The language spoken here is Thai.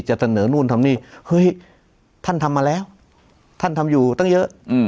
จะเสนอนู่นทำนี่เฮ้ยท่านทำมาแล้วท่านทำอยู่ตั้งเยอะ